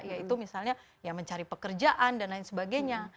yaitu misalnya ya mencari pekerjaan dan lain sebagainya